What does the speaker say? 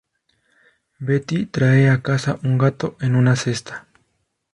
Betty trae a casa un gato en una cesta.